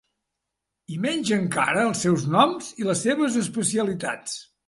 I menys encara els seus noms i les seves especialitats.